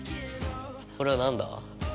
これは何だ？